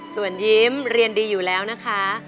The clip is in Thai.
ส่วนยิ้มเรียนดีอยู่แล้วนะคะ